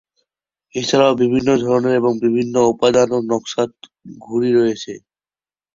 এছাড়াও বিভিন্ন ধরনের এবং বিভিন্ন উপাদান ও নকশার ঘুড়ি রয়েছে।